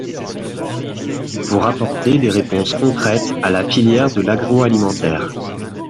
pour apporter des réponses concrètes à la filière de l’agroalimentaire